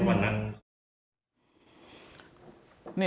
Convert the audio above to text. วันนั้น